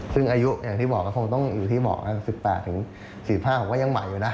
ซึ่งอายุอย่างที่บอกก็คงต้องอยู่ที่เบาะ๑๘๔๕ผมก็ยังใหม่อยู่นะ